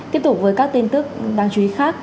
tiếp tục với các tin tức đáng chú ý khác